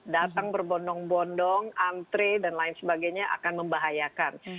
datang berbondong bondong antre dan lain sebagainya akan membahayakan